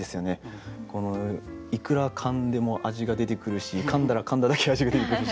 このいくらかんでも味が出てくるしかんだらかんだだけ味が出てくるし。